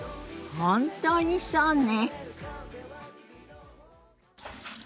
本当にそうね。